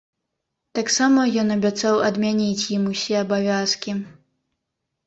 Таксама ён абяцаў адмяніць ім усе абавязкі.